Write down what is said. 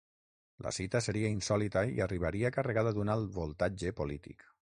La cita seria insòlita i arribaria carregada d’un alt voltatge polític.